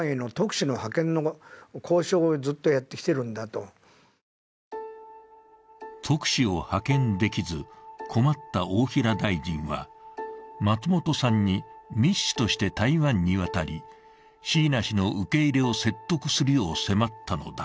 そして特使を派遣できず困った大平大臣は松本さんに密使として台湾に渡り椎名氏の受け入れを説得するよう迫ったのだ。